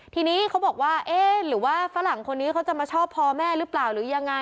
ทีนี้เขาบอกว่าเอ๊ะหรือว่าฝรั่งคนนี้เขาจะมาชอบพอแม่หรือเปล่าหรือยังไง